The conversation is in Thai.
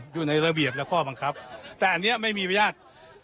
อยู่ในระเบียบและข้อบังคับแต่อันนี้ไม่มีอนุญาต